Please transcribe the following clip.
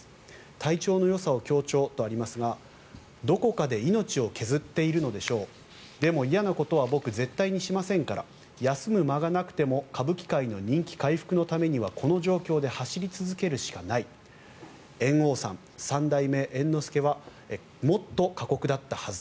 体調のよさを強調とありますがどこかで命を削っているのでしょうでも嫌なことは僕、絶対にしませんから休む間がなくても歌舞伎界の人気回復のためにはこの状況で走り続けるしかない猿翁さん、三代目猿之助はもっと過酷だったはず